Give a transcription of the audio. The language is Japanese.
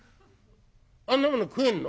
「あんなもの食えんの？」。